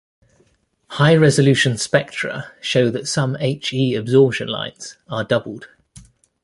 High resolution spectra show that some He absorption lines are doubled.